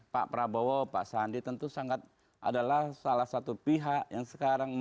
pak prabowo pak sandi tentu sangat adalah salah satu pihak yang sekarang